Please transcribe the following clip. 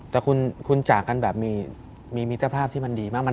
แต่คุณจากกันแบบมีมิตรภาพที่มันดีมาก